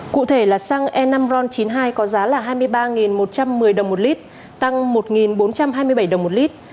cụ thể là xăng e năm ron chín mươi hai có giá là hai mươi ba một trăm một mươi đồng một lít tăng một bốn trăm hai mươi bảy đồng một lít